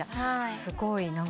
すごい。